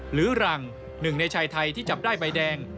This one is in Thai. หรือหลังหนึ่งในชายไทยที่จับได้ใบแดง